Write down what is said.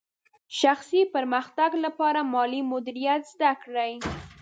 شخصي پرمختګ لپاره مالي مدیریت زده کړئ.